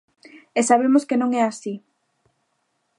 E sabemos que non é así.